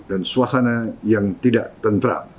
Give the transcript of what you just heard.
dan suasana yang tidak tentra